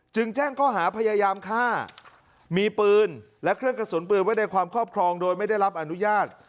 แจ้งข้อหาพยายามฆ่ามีปืนและเครื่องกระสุนปืนไว้ในความครอบครองโดยไม่ได้รับอนุญาต